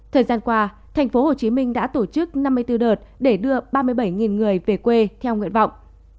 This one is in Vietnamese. thời gian qua thành phố hồ chí minh đã tổ chức năm mươi bốn đợt để đưa ba mươi bảy người về quê theo nguyện vọng